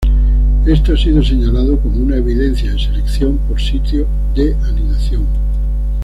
Esto ha sido señalado como una evidencia de selección por sitio de anidación.